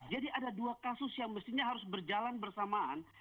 jadi ada dua kasus yang mestinya harus berjalan bersamaan